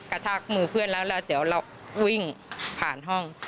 กระชากมือเพื่อนแล้วแล้วเดี๋ยวเราวิ่งผ่านห้อง